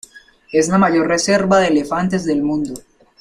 Es la mayor reserva de elefantes del mundo.